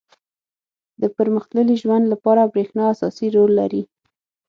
• د پرمختللي ژوند لپاره برېښنا اساسي رول لري.